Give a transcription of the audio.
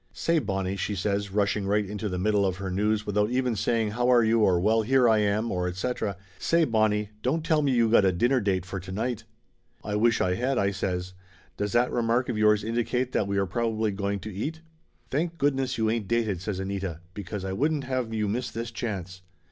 "Say, Bonnie !" she says, rushing right into the mid dle of her news without even saying how are you or well here I am, or etc. "Say, Bonnie, don't tell me you got a dinner date for to night!" 106 Laughter Limited "I wish I had!" I says. "Does that remark of yours indicate that we are probably going to eat?" "Thank goodness you ain't dated," says Anita, "be cause I wouldn't have you miss this chance!"